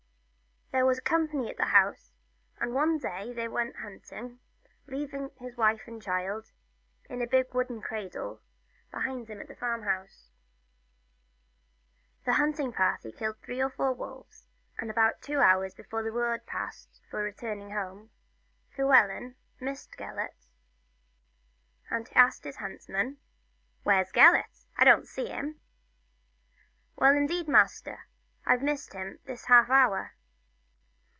There was company at the house, and one day they went hunting, leaving his wife and the child, in a big wooden cradle, behind him at the farm house. The hunting party killed three or four wolves, and about two hours before the word passed for returning home, Llewellyn missed Gelert, and he asked his huntsmen : "Where's Gelert? I don't see him." " Well, indeed, master, I Ve missed him this half hour."